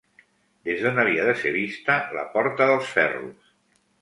Des d'on havia de ser vista la Porta dels Ferros?